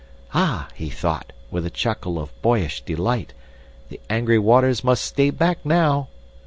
Ah! he thought, with a chuckle of boyish delight, the angry waters must stay back now!